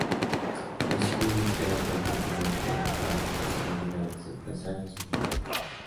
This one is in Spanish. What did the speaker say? Los 'Queens' eran frecuentemente abordados por celebridades, empresarios y políticos.